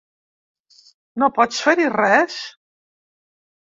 No pots fer-hi res?